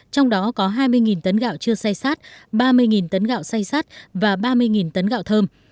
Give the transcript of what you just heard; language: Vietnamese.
trong đó có hai mươi tấn gạo chưa say sát ba mươi tấn gạo say sát và ba mươi tấn gạo thơm